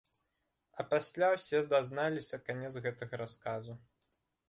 А пасля ўсе дазналіся канец гэтага расказу.